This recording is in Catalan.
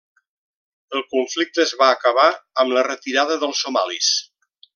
El conflicte es va acabar amb la retirada dels somalis.